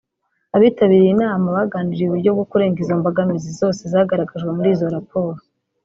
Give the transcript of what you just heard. Abitabiriye iyi nama baganiriye uburyo bwo kurenga izo mbogamizi zose zagaragajwe muri izo raporo